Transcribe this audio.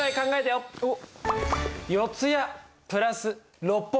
おっ。